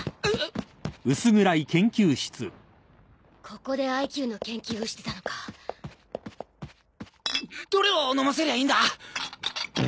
ここでＩＱの研究をしてたのかどれを飲ませりゃいいんだ？